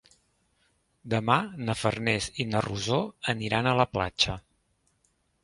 Demà na Farners i na Rosó aniran a la platja.